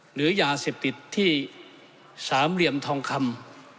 หรือยาเสพติดที่สามเหลี่ยมทองคำ